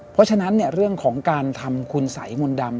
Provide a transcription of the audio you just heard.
เพราะฉะนั้นเรื่องของการทำคุณสัยมนต์ดำ